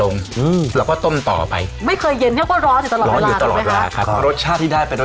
น้ำต้องใช้ต่อ